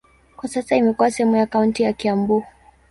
Kwa sasa imekuwa sehemu ya kaunti ya Kiambu.